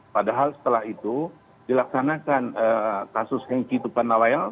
padahal setelah itu dilaksanakan kasus henki tukanawayo